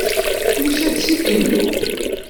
Yusa-d seg Tinduf.